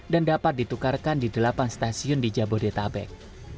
dan dapat ditukarkan di delapan stasiun di jabodetabek